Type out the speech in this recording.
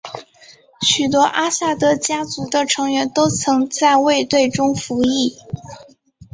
许多阿萨德家族的成员都曾在卫队中服役。